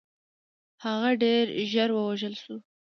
هغه ډېر ژر ووژل شو.